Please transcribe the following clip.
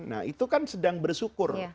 nah itu kan sedang bersyukur